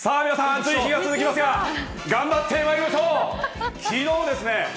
さぁ皆さん、暑い日が続きますが頑張ってまいりましょう！